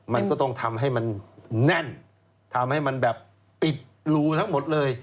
มันก็ต้องทำให้มันแน่นทำให้มันแบบปิดรูทั้งหมดเลย